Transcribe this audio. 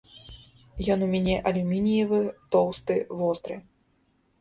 Ён у мяне алюмініевы, тоўсты, востры.